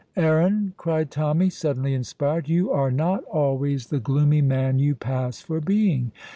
"Aaron," cried Tommy, suddenly inspired, "you are not always the gloomy man you pass for being.